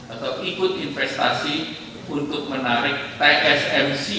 atau ikut investasi untuk menarik tsmc